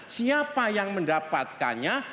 siapa yang mendapatkannya